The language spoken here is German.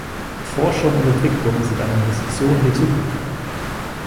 Forschung und Entwicklung sind eine Investition in die Zukunft.